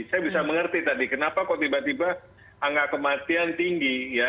saya bisa mengerti tadi kenapa kok tiba tiba angka kematian tinggi ya